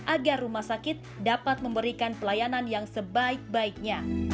agar rumah sakit dapat memberikan pelayanan yang sebaik baiknya